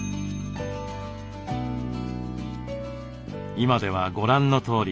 今ではご覧のとおり。